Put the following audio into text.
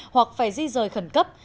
hoặc phải di rời khẩn cấp